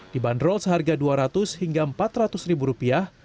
dibanderol seharga dua ratus hingga empat ratus ribu rupiah